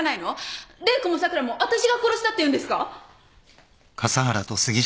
玲子も桜も私が殺したっていうんですか？